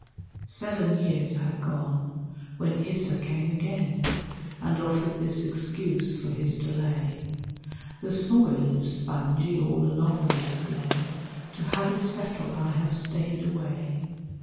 Seven years had gone, when Issa came again, And offered this excuse for his delay, "The soil is spongy all along this glen To have it settle I have stayed away.